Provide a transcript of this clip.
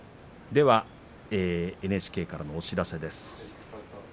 では、ここでＮＨＫからのお知らせです。